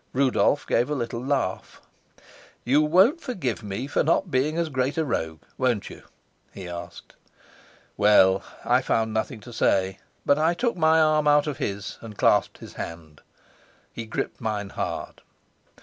Rudolf gave a little laugh. "You won't forgive me for not being as great a rogue, won't you?" he asked. Well, I found nothing to say, but I took my arm out of his and clasped his hand. He gripped mine hard.